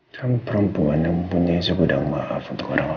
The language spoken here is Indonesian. kamu perempuan yang punya segudang maaf untuk orang lain